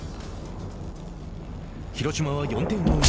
広島は４点を追う